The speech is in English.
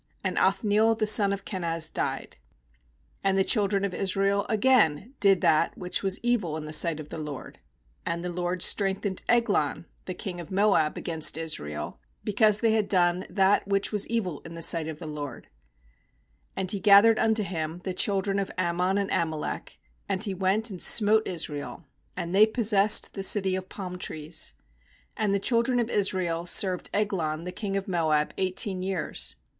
And Othniel the son of Kenaz died. 12 And the children of Israel again did that which was evil in the sight of the LORD; and the LORD strength ened Eglon the king of Moab against Israel, because they had done that which was evil in thesightpf the LORD. 13And he gathered unto him the chil dren of Ammon and Amalek; and he went and smote Israel, and they pos sessed the city of palm trees. 14And the children of Israel served Eglon the king of Moab eighteen years.